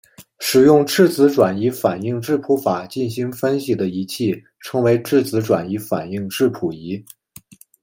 使用质子转移反应质谱法进行分析的仪器称为质子转移反应质谱仪。